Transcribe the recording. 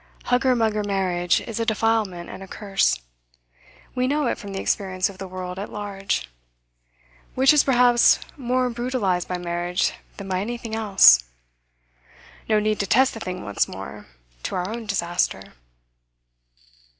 Hugger mugger marriage is a defilement and a curse. We know it from the experience of the world at large, which is perhaps more brutalised by marriage than by anything else. No need to test the thing once more, to our own disaster.